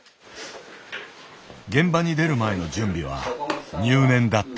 現場に出る前の準備は入念だった。